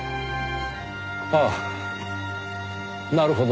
ああなるほど。